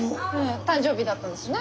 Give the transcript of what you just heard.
誕生日だったんですよね。